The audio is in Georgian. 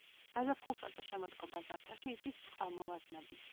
გაზაფხულსა და შემოდგომა-ზამთარში იცის წყალმოვარდნები.